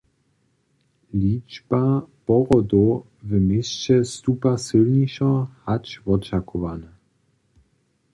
Ličba porodow w měsće stupa sylnišo hač wočakowane.